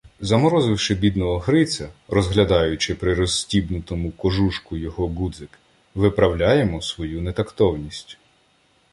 Заморозивши бідного Гриця, розглядаючи при розтібнутому кожушку його ґудзик, виправляємо свою нетактовність.